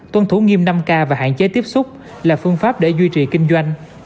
tuân thủ nghiêm năm k và hạn chế tiếp xúc là phương pháp để duy trì kinh doanh